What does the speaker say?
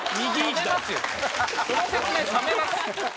その説明冷めます。